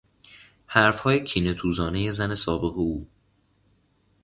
حرفهای کینهتوزانهی زن سابق او